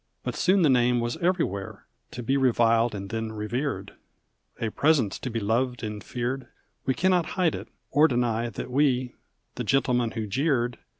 But soon the name was everywhere, To be reviled and then revered: A presence to be loved and feared, We cannot hide it, or deny That we, the gentlemen who jeered.